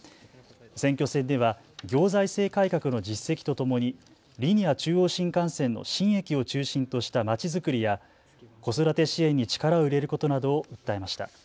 選挙戦では行財政改革の実績とともにリニア中央新幹線の新駅を中心としたまちづくりや子育て支援に力を入れることなどを訴えました。